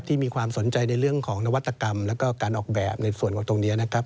ที่มีความสนใจในเรื่องของนวัตกรรมและการออกแบบในส่วนของตรงนี้